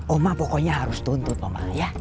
oma pokoknya harus tuntut oma ya